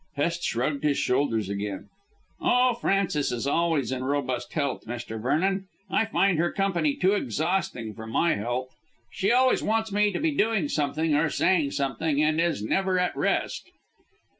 Hest shrugged his shoulders again. "Oh, Frances is always in robust health, Mr. Vernon. I find her company too exhausting for my health. She always wants me to be doing something or saying something, and is never at rest."